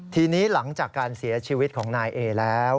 ทีนี้หลังจากการเสียชีวิตของนายเอแล้ว